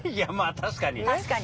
確かに。